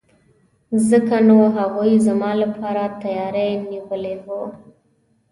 ځکه نو هغوی زما لپاره تیاری نیولی وو.